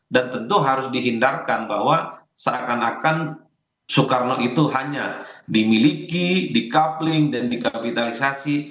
dan tentu harus dihindarkan bahwa seakan akan soekarno itu hanya dimiliki di coupling dan di kapitalisasi